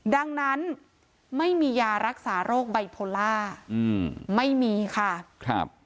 ดังนั้นไม่มียารักษาโรคไบโพล่าอืมไม่มีค่ะครับ